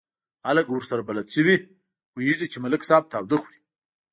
خلک ورسره بلد شوي، پوهېږي چې ملک صاحب تاوده خوري.